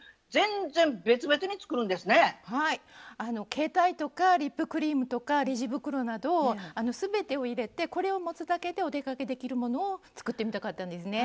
携帯とかリップクリームとかレジ袋など全てを入れてこれを持つだけでお出かけできるものを作ってみたかったんですね。